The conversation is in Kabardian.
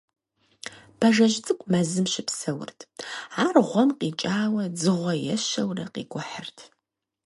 Бажэжь цӀыкӀу мэзым щыпсэурт. Ар гъуэм къикӀауэ дзыгъуэ ещэурэ къикӀухьырт.